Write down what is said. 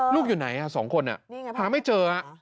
ลูกอยู่ไหนสองคนหาไม่เจอ